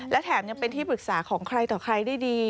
และแถมยังเป็นที่ปรึกษาของใครต่อใครได้ดี